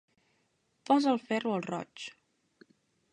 Posa el ferro al roig.